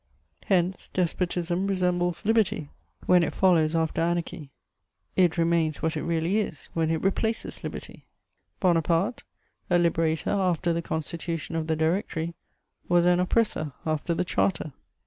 Hence, despotism resembles liberty, when it follows after anarchy; it remains what it really is when it replaces liberty: Bonaparte, a liberator after the Constitution of the Directory, was an oppressor after the Charter.